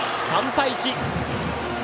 ３対１。